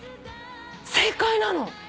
正解なの。